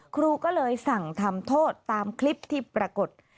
ครูก็เลยสั่งทำโทษตามคลิปที่ปรากฏ